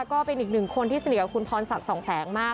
ก็เป็นอีกหนึ่งคนที่สนิทกับคุณพรศักดิ์สองแสงมาก